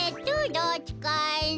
どっちかいな？